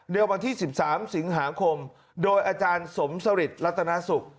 เดินมาที่๑๓สิงหาคมโดยอาจารย์สมสริษฐ์รัตนาสุก